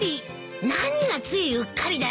何がついうっかりだよ。